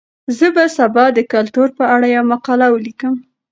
زه به سبا د کلتور په اړه یوه مقاله ولیکم.